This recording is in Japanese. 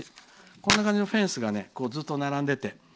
こんな感じのフェンスがずっと並んでて。